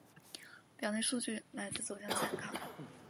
表内数据来自走向参考